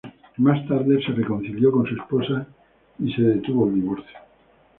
Más tarde se reconcilió con su esposa y el divorcio se detuvo.